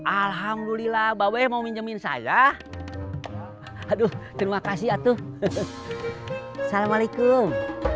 alhamdulillah bawa mau minyamin saya aduh terima kasih atuh assalamualaikum